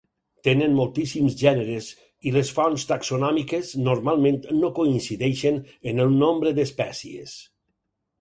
Tenen moltíssims gèneres, i les fonts taxonòmiques normalment no coincideixen en el nombre d'espècies.